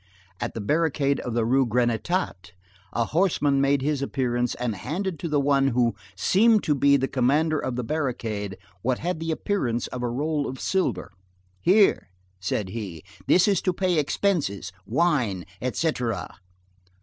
At the barricade of the Rue Grenetat, a horseman made his appearance and handed to the one who seemed to be the commander of the barricade what had the appearance of a roll of silver. "Here," said he, "this is to pay expenses, wine, et cætera."